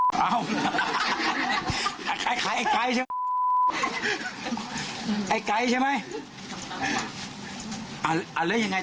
หมายถึงเลสหมายเลาะ